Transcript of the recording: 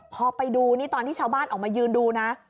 พอไปดูนี่ตอนที่ชาวบ้านออกมายืนดูนะ